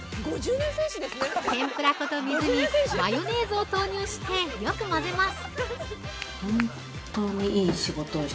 ◆天ぷら粉と水にマヨネーズを投入してよく混ぜます。